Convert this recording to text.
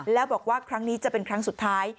แล้วบอกว่าครั้งนี้จะเป็นครั้งสุดท้าย